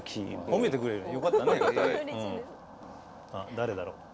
誰だろう？